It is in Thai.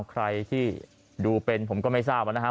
ใครที่ดูเป็นผมก็ไม่ทราบแล้วนะฮะ